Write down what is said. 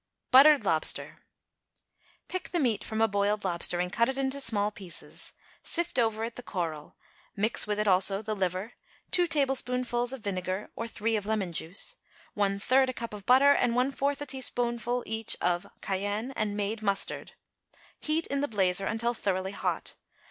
_ =Buttered Lobster.= Pick the meat from a boiled lobster and cut it into small pieces; sift over it the coral; mix with it also the liver, two tablespoonfuls of vinegar or three of lemon juice, one third a cup of butter and one fourth a teaspoonful, each, of cayenne and made mustard; heat in the blazer until thoroughly hot.